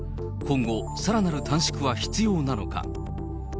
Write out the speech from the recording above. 今後、さらなる短縮は必要なのか。